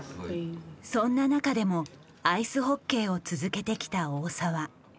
そんな中でもアイスホッケーを続けてきた大澤。